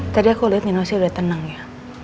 tadi aku liat nino sih udah tenang ya